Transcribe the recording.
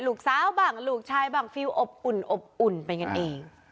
ลูกสาวบ้างลูกชายบ้างฟิลอบอุ่นอบอุ่นไปกันเอง